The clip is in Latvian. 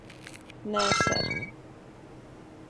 Nē, ser.